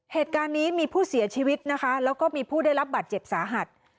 เหตุการณ์นี้มีผู้เสียชีวิตนะคะแล้วก็มีผู้ได้รับบาดเจ็บสาหัส